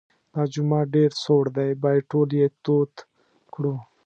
دا جومات ډېر سوړ دی باید ټول یې تود کړو.